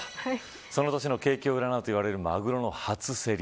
その年の景気を占うといわれるマグロの初競り。